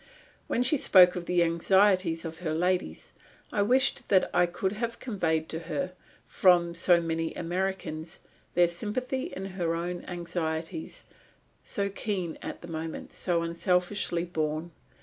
When she spoke of the anxieties of her ladies, I wished that I could have conveyed to her, from so many Americans, their sympathy in her own anxieties, so keen at that time, so unselfishly borne.